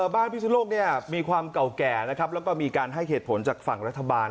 พิศนโลกมีความเก่าแก่นะครับแล้วก็มีการให้เหตุผลจากฝั่งรัฐบาล